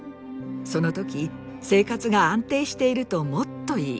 その時生活が安定しているともっといい。